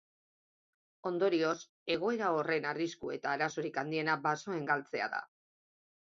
Ondorioz, egoera horren arrisku eta arazorik handiena basoen galtzea da.